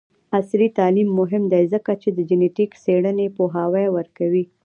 عصري تعلیم مهم دی ځکه چې د جینیټک څیړنې پوهاوی ورکوي.